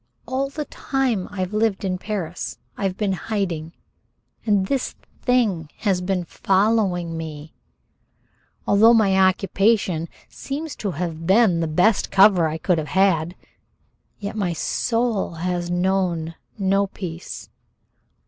All the time I've lived in Paris I've been hiding and this thing has been following me although my occupation seems to have been the best cover I could have had yet my soul has known no peace.